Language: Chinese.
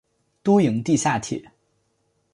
都营地下铁